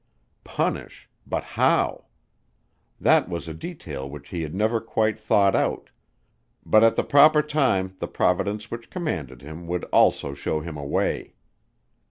Punish but how? That was a detail which he had never quite thought out, but at the proper time the Providence which commanded him would also show him a way.